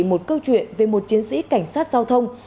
một câu chuyện về một chiến sĩ cảnh sát giao thông